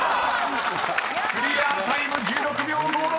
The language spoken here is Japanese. ［クリアタイム１６秒５６！］